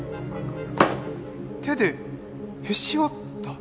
手でへし折った？